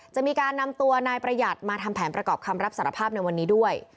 จะมีการนำตัวนายประหยัดมาทำแผนประกอบคำรับสารภาพในวันนี้ด้วย